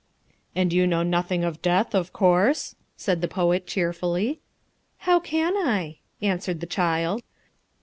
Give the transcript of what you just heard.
"And you know nothing of death, of course?" said the poet cheerfully. "How can I?" answered the child.